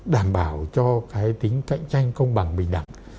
đảm bảo cho cái tính cạnh tranh công bằng bình đẳng